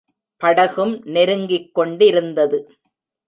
படகும் நெருங்கிக் கொண்டிருந்தது.